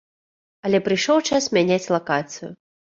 Але прыйшоў час мяняць лакацыю.